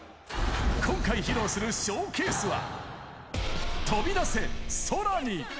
今回、披露するショーケースは、飛び出せ宇宙に！